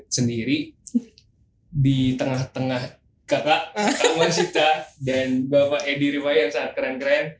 saya sendiri di tengah tengah kakak pak mas sita dan bapak edi rewan yang sangat keren keren